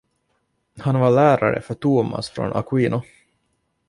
Han var lärare för Tomas från Aquino.